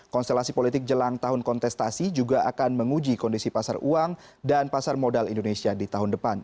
konstelasi politik jelang tahun kontestasi juga akan menguji kondisi pasar uang dan pasar modal indonesia di tahun depan